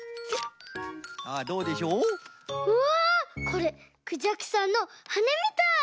これクジャクさんのはねみたい！